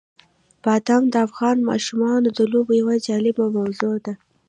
بادام د افغان ماشومانو د لوبو یوه جالبه موضوع ده.